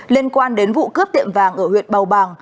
liên quan đến vụ cướp tiệm vàng ở huyện bào bàng